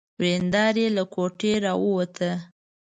ورېندار يې له کوټې را ووته.